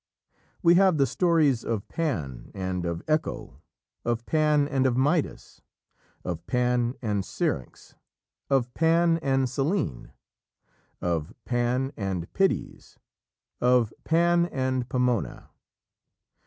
We have the stories of Pan and of Echo, of Pan and of Midas, of Pan and Syrinx, of Pan and Selene, of Pan and Pitys, of Pan and Pomona.